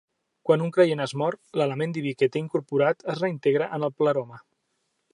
Quan un creient es mor, l'element diví que té incorporat es reintegra en el pleroma.